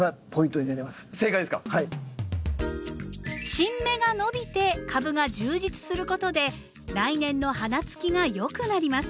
新芽が伸びて株が充実することで来年の花つきが良くなります。